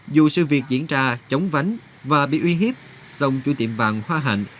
dù sự việc diễn ra chống vánh và bị uy hiếp sông chu tiệm vàng hoa hạnh